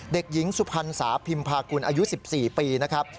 เด็กหญิงสุพรรณสาพิมพากุลอายุ๑๔ปีนะครับ